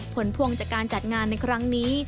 ผลพวงจากการจัดงานในครั้งนี้